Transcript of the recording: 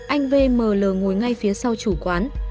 anh vml ngồi ngay phía sau chủ quán